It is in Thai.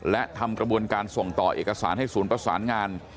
และทำกระบวนการส่งต่อเอกสารให้ศูนย์ประสานงาน